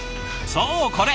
そうこれ。